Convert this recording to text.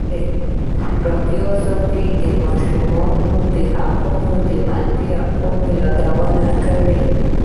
ازادي راډیو د د ماشومانو حقونه د منفي اړخونو یادونه کړې.